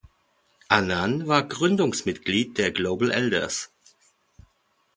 Annan war Gründungsmitglied der Global Elders.